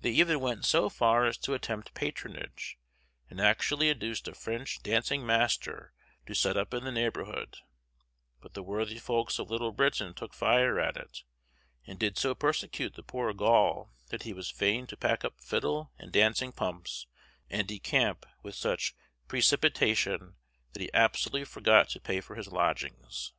They even went so far as to attempt patronage, and actually induced a French dancing master to set up in the neighborhood; but the worthy folks of Little Britain took fire at it, and did so persecute the poor Gaul that he was fain to pack up fiddle and dancing pumps and decamp with such precipitation that he absolutely forgot to pay for his lodgings.